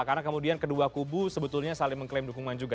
karena kemudian kedua kubu sebetulnya saling mengklaim dukungan juga